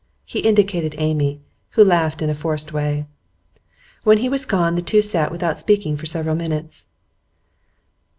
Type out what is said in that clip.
He indicated Amy, who laughed in a forced way. When he was gone, the two sat without speaking for several minutes.